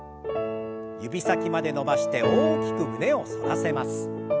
指先まで伸ばして大きく胸を反らせます。